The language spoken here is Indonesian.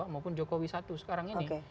maupun jokowi satu sekarang ini